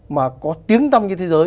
mà có tiếng tăm như thế giới